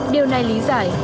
điều này lý giải